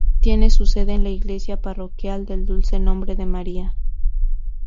Tiene su sede en la iglesia parroquial del Dulce Nombre de María.